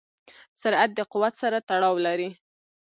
سرعت د قوت سره تړاو لري.